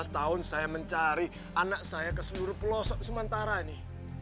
lima belas tahun saya mencari anak saya ke seluruh pelosok sementara ini